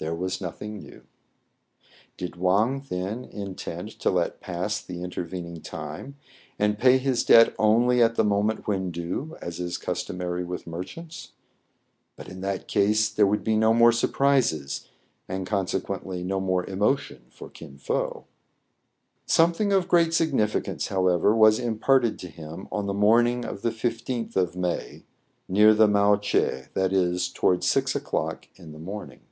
There was nothing new. Did Wang, then, intend to let pass the interven ing time,, and pay his debt only at the moment when due, as is customary with merchants } But IVILL NOT SURPRISE THE READER, 97 in that case there would be no more surprises, and consequently no more emotion for Kin Fo. Something of great significance, however, was imparted to him on the morning of the isth of May, near the " mao che ;" that is, towards six o'clock in the morning.